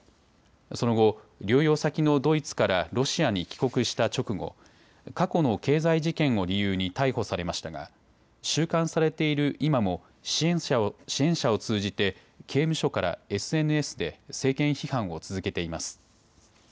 その後、療養先のドイツからロシアに帰国した直後、過去の経済事件を理由に逮捕されましたが収監されている今も支援者を通じて刑務所からＳＮＳで政権批判を続けています。